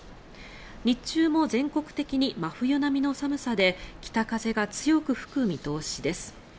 日中も全国的に真冬並みの寒さで北風が強く吹く見通しです。